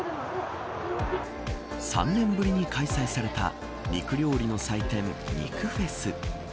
３年ぶりに開催された肉料理の祭典、肉フェス。